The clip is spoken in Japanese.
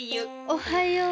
おはよう。